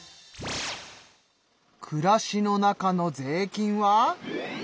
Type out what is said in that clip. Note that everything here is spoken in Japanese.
暮らしの中の税金は。